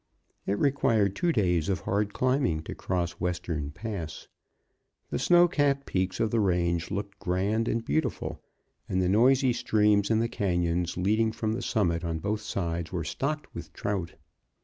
It required two days of hard climbing to cross Western Pass. The snow capped peaks of the range looked grand and beautiful, and the noisy streams in the canyons leading from the summit on both sides were stocked with trout.